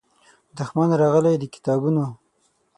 دښمن راغلی د کتابونو